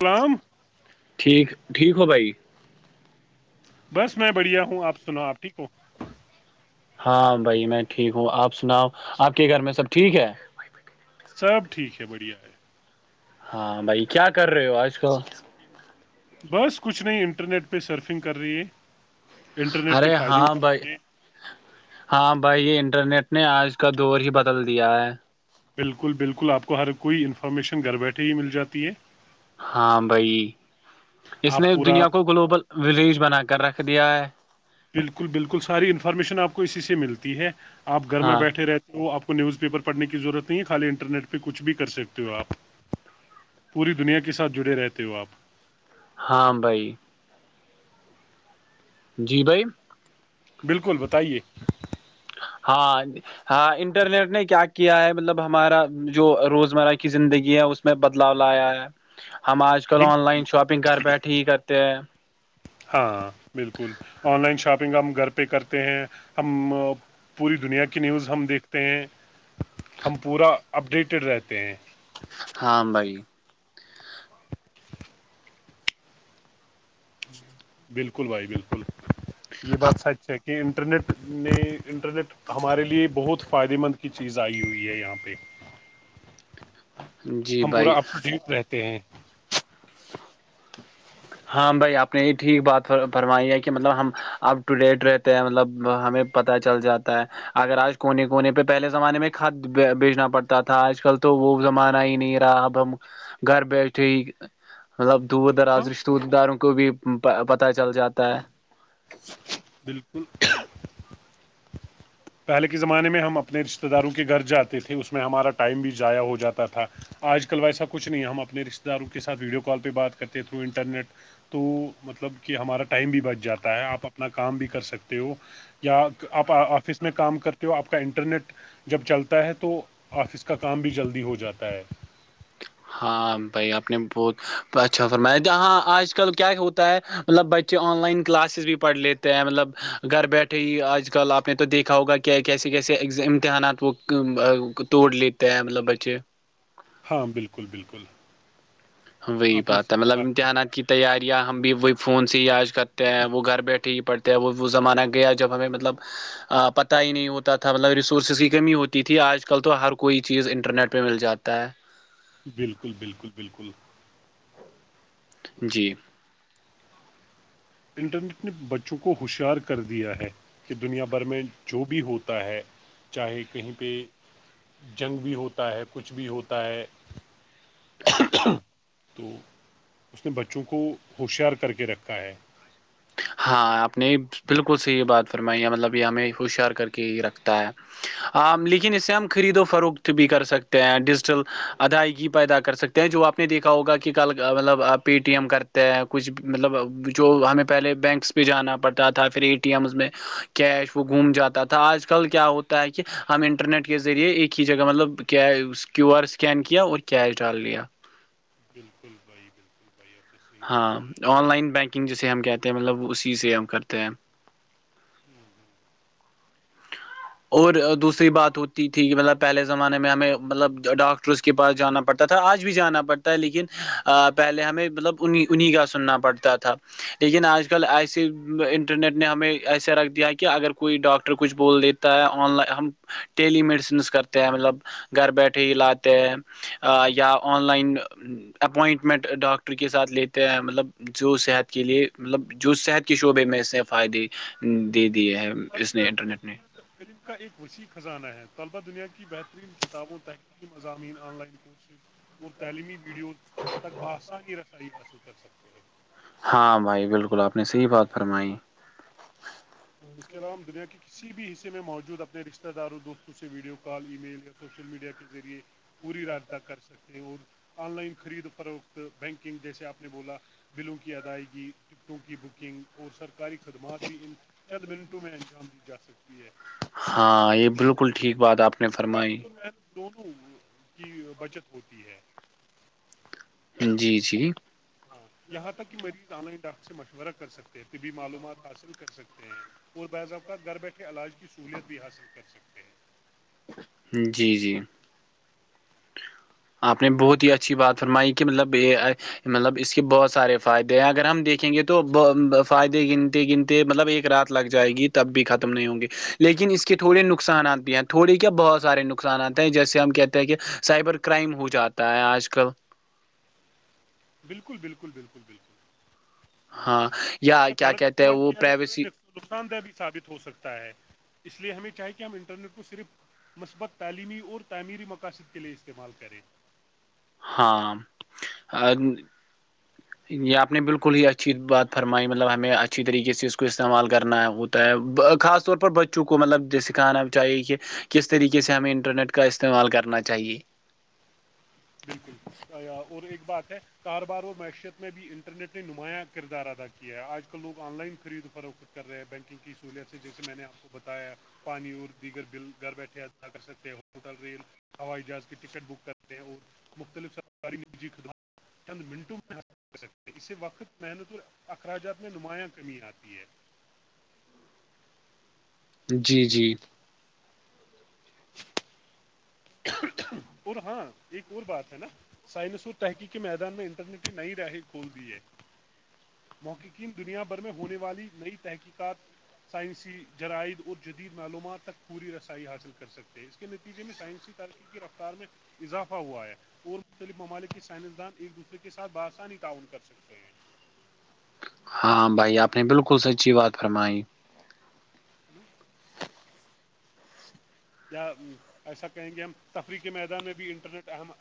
پلام [unintelligible] ٹھیک ٹھیک ہو بھائی بس میں بڑھیا ہوں آپ سناو آپ ٹھیک ہو ہاں بھائی میں ٹھیک ہوں آپ سناؤ آپ کے گھر میں سب ٹھیک ہے سب ٹھیک ہے بڑھیا ہے ہاں بھائی کیا کر رہے ہو آج کل بس کچھ نہیں انٹرنیٹ پہ سرفنگ کر رہی ہے انٹرنیٹ کے ارے فائدے ہاں اٹھا بھائی رہے ہیں ہاں بھائی یہ انٹرنیٹ نے آج کا دور ہی بدل دیا ہے بالکل بالکل آپ کو ہر کوئی انفارمیشن گھر بیٹھے ہی مل جاتی ہے ہاں بھائی ج آپ نے پورا دنیا کو گلوبل ولیج بنا کر رکھ دیا ہے بالکل بالکل ساری انفارمیشن آپ کو اسی سے ملتی ہے آپ گھر میں ہاں بیٹھے رہتے وہ آپ کو نیوز پیپر پڑھنے کی ضرورت نہیں ہے خالی انٹرنیٹ پہ کچھ بھی کر سکتے ہو آپ پوری دنیا کے ساتھ جڑے رہتے ہو آپ ہاں بھائی جی بھائی بالکل بتائیے ہاں ہاں انٹرنیٹ نے کیا کیا ہے مطلب ہمارا جو روزمرہ کی زندگی ہے اس میں بدلاؤ لایا ہے ہم آج کل آن لائن شاپنگ گھر بیٹھے ہی کرتے ہیں ہاں بالکل آن لائن شاپنگ ہم گھر پہ کرتے ہیں ہم پوری دنیا کی نیوز ہم دیکھتے ہیں ہم پورا اپڈیٹڈ رہتے ہیں ہاں بھائی بالکل بھائی بالکل یہ بات سچ ہے کہ انٹرنیٹ نے انٹرنیٹ ہمارے لیے بہت فائدے مند کی چیز آئی ہوئی ہے یہاں پہ جی ہم بھائی پورا اپ ٹو ڈیٹ رہتے ہیں [unintelligible] [inaudible] ہاں بھائی آپ نے یہ ٹھیک بات فرمائی ہے کہ مطلب ہم اپ ٹو ڈیٹ رہتے ہیں مطلب ہمیں پتہ چل جاتا ہے اگر آج کونے کونے پہ پہلے زمانے میں کھاد بیچنا پڑتا تھا آج کل تو وہ زمانہ ہی نہیں رہ اب ہم گھر بیٹھے مطلب دور دراز ہاں رشت داروں کو بھی پتہ چل جاتا ہے بالکل پہلے کے زمانے میں ہم اپنے رشتتے داروں کے گھر جاتے تھے اس میں ہمارا ٹائم بھی ضائع ہو جاتا تھا آج کل ویسا کچھ نہیں ہے ہم اپنے رشتے داروں کے ساتھ ویڈیو کال پہ بات کرتے تھرو انٹرنیٹ تو مطلب کہ ہمارا ٹائم بھی بچ جاتا ہے آپ اپنا کام بھی کر سکتے ہو یا آپ آفس میں کام کرتے ہو آپ کا انٹرنیٹ جب چلتا ہے تو آفس کا کام بھی جلدی ہو جاتا ہے ہاں بھائی آپ نے بہت اچھا فرمایا جاں آج کل کیا ہوتا ہے مطلب بچے آن لائن کلاسز بھی پڑھ لیتے ہیں مطلب گھر بیٹھے ہی آج کل آپ نے تو دیکھا ہوگا کہ کیا کیسے کیسے امتحانات وہ توڑ لیتے ہیں مطلب بچے ہاں بالکل بالکل وہی آپ نے بات ہے صحیح مطلب کہ امتحانات کی تیاریاں ہم بھی وہی فون سے ہی یاج کرتے ہیں وہ گھر بیٹھے ہی پڑھتے ہیں وہ زمانہ گیا جب ہمیں مطلب پت ہی نہیں ہوتا تھا مطلب ریسورسز کی کمی ہوتی تھی آج کل تو ہر کوئی چیز انٹرنیٹ [unintelligible] پہ مل جاتا ہے بالکل بالکل بالکل جی انٹرنیٹ نے بچوں کو ہوشیار کر دیا ہے کہ دنیا بھر میں جو بھی ہوتا ہے چاہے کہیں پہ جنگ بھی ہوتا ہے کچھ بھی ہوتا ہے تو اس نے بچوں کو ہوشیار کر کے رکھا ہے ہاں آپ نے بالکل صحی یہ بات فرمائی ہے مطلب یہ ہمیں ہوشیار کر کے یہ رکھتا ہے لیکن اس سے ہم خرید و فروخت بھی کر سکتے ہیں ڈیجیٹل ادائیگی پیدا کر سکتے جو آپ نے دیکھا ہوگا کہ کل مطلب پے ٹی ایم کرتے ہیں کچھ مطلب جو ہمیں پہلے بینکس پہ جانا پڑتا تھا پھر ا ٹی ایمس میں کیش وہ گھوم جاتا تھا آج کل کیا ہوتا تاکہ ہم انٹرنیٹ کے ذریعے ایک ہی جگہ مطلب کیو آر اسکین کیا اور کیش ڈال لیا بالکل بھائی بالکل بھائی آپظ [unintelligible] ہاں آن لائن بینکنگ جسے ہم کہتے ہیں مطلب اسی سے ہم کرتے ہیں اور دوسری بات ہوتی تھی کہ مطلب پہلے زمانے میں ہمیں مطلب ڈاکٹر اس کے پاس جانا پڑتا تھا آج بھی جانا پڑتا ہے لیکن پہلے ہمیں مطلب ان انہیں کا سننا پڑتا تھا لیکن آج کل ایس انٹرنیٹ نے ہمیں ایسا رکھ دیا کہ اگر کوئی ڈاکٹر ٹر کچھ بول دیتا ہے آن لائ ہم ٹیلی میڈیسنس کرتے ہیں مطلب گھر بیٹھے ہی لاتے ہیں یا آن لائن اپوائنٹمنٹ ڈاکٹر کے ساتھ لیتے ہیں مطلب جو صحت کے لیے مطلب جو صحت کے شعبے میں اس نے فائدے دے دیے ہیں بالکل سب اس سے پہلے نے تو نے انٹرنیٹ علم کا ایک وسیع خزانہ ہے طلبا دنیا کی بہترین کتابوں تح [unintelligible] مزامئین آن لائن کورسز اور تعلیمی ویڈیوز تک بہآسانی رسائی حاصل کر سکتے ہیں ہاں بھائی بالکل آپ نے صحیح بات فرمائی اس کے علاوہ دنیا کے کسی بھی حصے میں موجود اپنے رشتے داروں دوستوں سے video call email social media کے ذریعے پوری رابطہ کر سکتے ہیں اور آن لائن خرید فر وقت بینکنگ جیسے آپ نے بولا بلوں کی ادائیگی ٹکٹوں کی بکنگ اور سرکاری خدمات بھی ان چند منٹوں میں انجام دی جا سکتی ہے ہاں یہ بالکل بکل ٹھ بات آپ نے اسسی فرمائی وقت اور محنت دونوں کی بچت ہوتی ہے جی جی ہاں یہاں تک کہ مریض آن لائن ڈاکٹر سے مشورہ کر سکتے ہیں طبی معلومات حاصل کر سکتے ہیں اور بعض اوقات گھر بیٹھے علاج کی سہولیت بھی حاصل کر سکتے ہیں جی جی آپ نے بہت ہی اچھی بات فرمائی کہ مطلب یہ مطلب اس کے بہت سارے فائدے ہیں اگر ہم دیکھیں گے تو فائدے گنتے گنتے مطلب ایک رات لگ جائے گی تب بھی ختم نہیں ہوں گی لیکن اس کے تھوڑے نقصانات بھی ہیں تھوڑی کیا بہت سارے نقصان [unintelligible] نقصان آتا ہیں جیسے ہم کہتے ہیں کہ سائبر کرائم ہو جاتا ہے آج کل بالکل بالکل بالکل بالکل ہاں اگر یہ یا س کا کیا غلط کہتے ہیں استعمال وہ کیہ د پرائیویسی تو [unintelligible] نقصان دہ بھی ثابت ہو سکتا ہے اس لیے ہمیں چاہے کہ ہم انٹرنیٹ کو صرف مثبت تعلیمی اور تعمیری مقاصد کے لیے استعمال کریں ہاں ا یہ آپ نے بالکل ہی اچھی بات فرمائی مطلب ہمیں اچھی طریقے سے اس کو استعمال کرنا ہے وہ خاص طور پر بچوں کو مطلب سکھانا چاہیے کہ کس طریقے سے ہمیں انٹرنیٹ کا استعمال کرنا چاہیے بالکل اور ایک بات ہے کار بار وہ معیشت میں بھی انٹرنیٹ نے نمایاں کردار اد تھا کیا کیا ہے آج کل لوگ آن لائن خرید و فروخت کر رہے ہیں بینکنگ کی سہولیت سے جیسے میں نے آپ کو بتایا پانی اور دیگر بل گھر بیٹھے ادا کر سکتےلی ہوائی جہاز کی ٹکٹ بک کرتے ہیں اور مختلف سرکاری م خدمات چند منٹوں میں حا سکتے ہیں اس سے وقت محنت اور اخراجات میں نمایاں کمی آتی ہے جی جی اور ہاں ایک اور بات ہے نا سائنس اور تحقیقی میدان میں انٹرنیٹ کی نئی رہیں کھول دی ہے محققین دنیا بھر میں ہونے والی نئی تحقیقات سائنسی جرائد اور جدید معلومات تک پوری رسائی حاصل کر سکے تھے اس کے نتیجے میں سائنسی ترقی کی رفتار میں اضافہ ہوا ہے اور مختلف ممالک کے سائنسدان ایک دوسرے کے ساتھ بآسانی تعاون کر سکتے ہیں ہاں بھائی آپ نے بالکل سچی بات فرمائی [unintelligible] یا ایسا کہیں گے ہم تفریح کے میدان میں بھی انٹرنیٹ اہم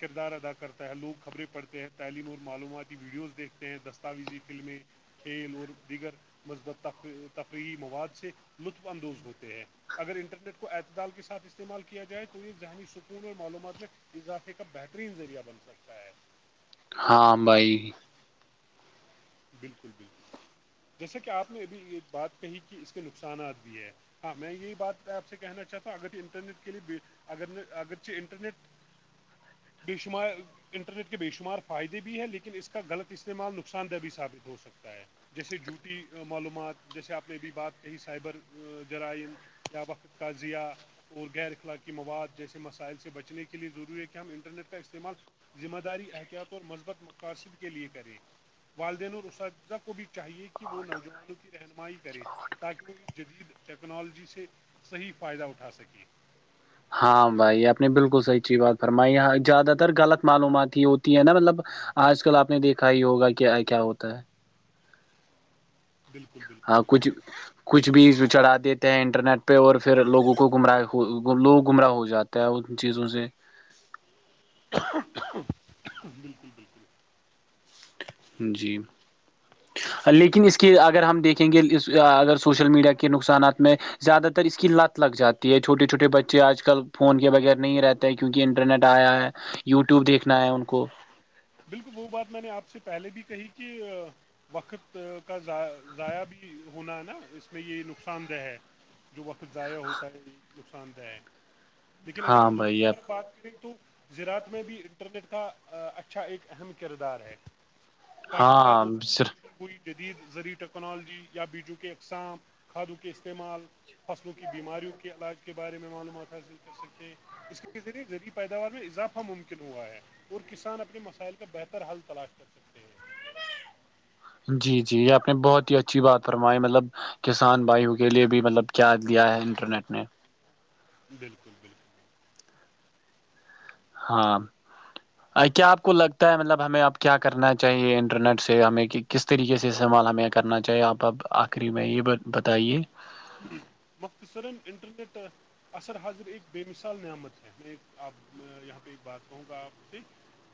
کردار ادا کرتا ہے لوگ خبریں پڑھتے ہیں تعلیم اور معلوماتی ویڈیوز دیکھتے ہیں دستاویزی فلمیں کھیل اور دیگر مثبت تفریحی مواد سے لطف اندوز ہوتے ہیں اگر انٹرنیٹ کو اعتدال کے ساتھ استعمال کیا جائے تو یہ ذہنی سکون اور معلومات میں اضافے کا بہترین ذریعہ بن سکتا ہے ہاں بھائی بالکل بالکل جیسا کہ آپ نے ابھی یہ بات کہی کہ اس کے نقصانات بھی ہے ہاں میں یہی بات ایپ سے کہنا چاہتا ہوں اگر یہ انٹرنیٹ کے لیے اگر ن اگرچ انٹرنیٹ بے شمار انٹرنیٹ کے بے شمار فائدے بھی ہے لیکن اس کا غلط استعمال نقصان دہ بھی ثابت ہو سکتا ہے جیسے جوٹی معلومات جیسے آپ نے ا بھیھی بات کہی سائبر جرائم کیا وقت کا ضیا اور غیرخلاقی مواد جیسے مسائل سے بچنے کے لیے ضروری ہے کہ ہم انٹرنیٹ کا استعمال ذمہ داری احتیاط اور مثبت مقاصد کے لئے کریں والدین اور اساتذہ کو بھی چاہیے کہ وہ نوجوانوں کی رہنمائی کرے تاکہ وہ اس جدید ٹیکنالوجی سے صحیح فائدہ اٹھا سکے ہاں بھائی آپ نے بالکل سچی بات فرمائی یہاں زیادہ تر غلط معلومات ہی ہوتی ہے نا مطلب آج کل آپ نے دیکھا ہی یگا کیا کیا ہوتا ہے بالکل بالکل ہاں بالکل کچھ کچھ بھی چڑھا دیتے ہیں انٹرنیٹ پہ اور پھر لوگوں کو گمراہ لوگ گمراہ ہو جاتے تے ان چیزوں سے بالکل بالکل جی لیکن اس کی اگر ہم دیکھیں گے اگر سوشل میڈیا کے نقصانات میں زیادہ تر اس کی لت لگ جاتی ہے چھوٹے چھوٹے بچے آج کل فون کے بغیر نہیں رہتے کیونکہ انٹرنیٹ آیا ہے یو ٹیوب دیکھنا ہے ان کو بالکل وہ بات میں نے آپ سے پہلے بھی کہی کہ وقت کا ضائع بھی ہونا ہے نا اس میں یہ نقصان دہ ہے جو وقت ضائع ہوتا ہے یہ نقصان دہ لیکن اگر ہاں ہم دوسری بھائی اب طرف بات کریں تو زراعت میں بھی انٹرنیٹ کا اچھا اچھا ایک اہم کردار ہے کاشتکار ہاں موسم کی کوئی جدید زذرعی ٹیکنالوجی یا بیجو کے اقسام کھادوں کے استعمال فصلوں کی بیماریوں کے علاج کے بارے میں معلومات حاصل کر سکتے ہیں اس کے ذریعے ی پیداوار میں اضافہ ممکن ہوا ہے اور کسان اپنے اپنے مسائل کا بہتر حل تلاش کر سکتے ہیں جی جی یہ آپ نے بہت ہی اچھی بات فرمائی مطلب کسان بھائیوں کے لیے بھی مطلب کیا دیا ہے انٹرنیٹ نے بالکل بالکل ہاں کیا آپ کو لگتا ہے مطلب ہمیں اب کیا کرنا چاہیے انٹرنیٹ سے ہمیں کس طریقے سے استعمال ہمیں کرنا چاہیے آپ اب آخری میں یہبتائیے مختصر انٹرنیٹ اصر حاضر ایک بے مثال نعمت ہے میں آپ یہاں پہ ایک بات کہوں گا آپ سے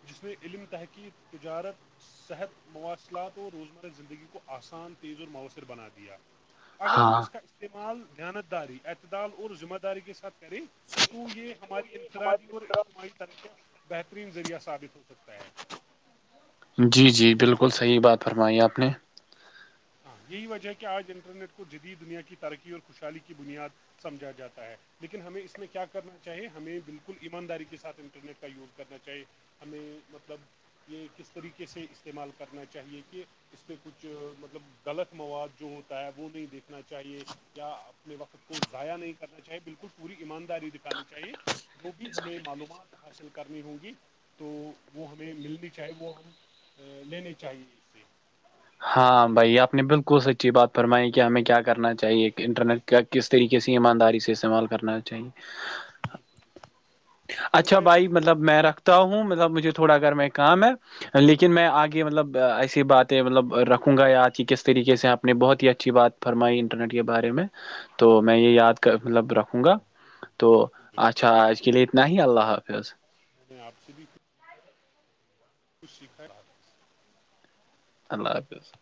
جس میں علم تحقیق تجارت صحت مواصلات اور روزمرہ زندگی کو آسان تیز اور مؤثر بنا دیا اگر ہم ہاں اس کا استعمال دانت داری اعتدال اور ذمہ داری کے ساتھ کریں تو یہ ہماری انفرادی اور اجتماعی ترکیاں بہترین ذریعہ ثابت ہو سکتا ہے جی جی بالکل صحیح بات فرمائی آپ نے ہاں یہی وجہ ہے کہ آج انٹرنیٹ کو جدید دنیا کی ترقی اور خوشحالی کی بنیاد سمجھا جاتا ہے لیکن ہمیں اس میں کیا کرنا چاہے ہمیں بالکل ایمانداری کے ساتھ انٹرنیٹ کا یوز کرنا چاہیے ہمیں مطلب یہ کس طریقے سے استعمال کرنا چاہیے کہ اس پہ کچھ مطلب غلط مواد جو ہوتا ہے وہ نہیں دیکھنا چاہیے یا اپنے وقت کو ضائع نہیں کرنا چاہیے بالکل پوری ایمانداری دکھانی چاہیے جو بھی ہمیں معلومات حاصل کرنی ہوں گی تو وہ ہمیں ملنی چاہیے وہ ہم لینے چاہیے اسے ہاں بھائی آپ نے بالکل سچی بات فرمائی کہ ہمیں کیا کرنا چاہیے انٹرنیٹ کیا کس طریقے سے ایمانداری سے استعمال کرنا چاہیے بالکل اور اچھا ہمیں اپنی بھائی مطلب میں رکھ ہوں مطلب مجھے تھوڑا گھر میں کام ہے لیکن میں آگے مطلب ایسی باتیں مطلب رکھوں گا آج کی کس طریقے سے آپ نے بہت ہی اچھی بات فرمائی انٹرنیٹ کے بارے میں تو میں یہ یاد کر مطلب رکھوں گا تو بالکل بالکل اچھا میں نے آپ آج کے لیے سے بھی کچھ اتنا ہی سیکھا اللہ ہے حافظ میں آپ سے بھی ت [unintelligible] اللہ حافظ